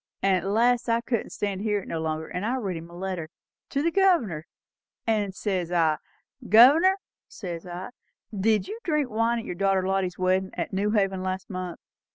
And at last I couldn't stand it no longer; and I writ him a letter to the Governor; and says I, 'Governor,' says I, 'did you drink wine at your daughter Lottie's weddin' at New Haven last month?'